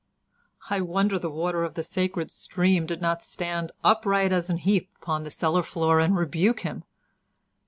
I wonder the water of the sacred stream did not stand upright as an heap upon the cellar floor and rebuke him.